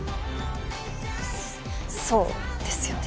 そうですよね？